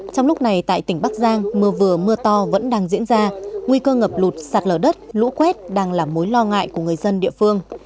trong lúc này tại tỉnh bắc giang mưa vừa mưa to vẫn đang diễn ra nguy cơ ngập lụt sạt lở đất lũ quét đang là mối lo ngại của người dân địa phương